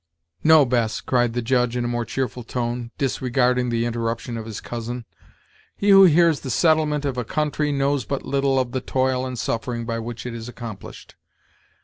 "No, Bess," cried the Judge, in a more cheerful tone, disregarding the interruption of his cousin, "he who hears of the settlement of a country knows but little of the toil and suffering by which it is accomplished.